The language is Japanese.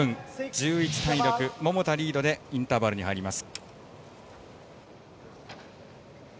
１１対６、桃田リードでインターバルに入ります。